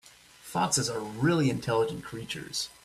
Foxes are really intelligent creatures.